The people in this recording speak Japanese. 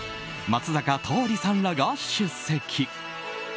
松坂桃李さんらが出席。